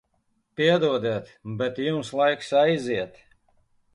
Piedodiet, bet jums laiks aiziet.